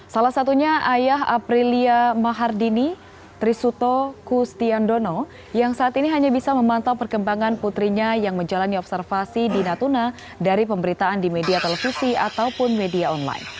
salah satunya ayah aprilia mahardini trisuto kustiandono yang saat ini hanya bisa memantau perkembangan putrinya yang menjalani observasi di natuna dari pemberitaan di media televisi ataupun media online